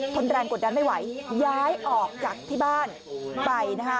นแรงกดดันไม่ไหวย้ายออกจากที่บ้านไปนะคะ